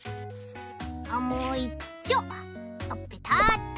あっもういっちょうペタッと。